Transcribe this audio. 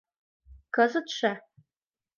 — Кызытше?